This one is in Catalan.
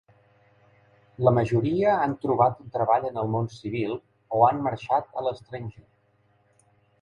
La majoria han trobat un treball en el món civil, o han marxat a l'estranger.